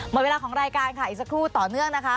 หมดเวลาของรายการค่ะอีกสักครู่ต่อเนื่องนะคะ